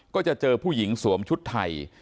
ก็จะเจอผู้หญิงสวมชุดไทย